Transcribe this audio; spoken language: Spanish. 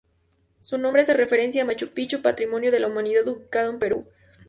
Su nombre hace referencia a Machu Picchu, patrimonio de la humanidad ubicado en Perú.